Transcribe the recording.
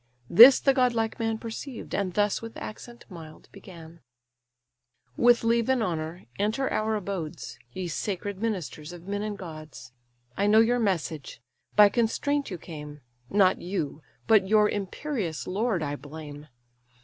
This the godlike man Perceived, and thus with accent mild began: "With leave and honour enter our abodes, Ye sacred ministers of men and gods! I know your message; by constraint you came; Not you, but your imperious lord I blame.